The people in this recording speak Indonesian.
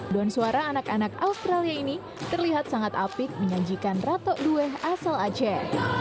doan suara anak anak australia ini terlihat sangat apik menyajikan ratok due asal aceh